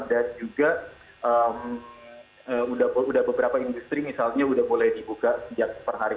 dan juga sudah beberapa industri misalnya sudah boleh dibuka sejak perhari